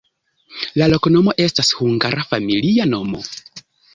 La loknomo estas hungara familia nomo.